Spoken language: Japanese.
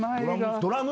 ドラム？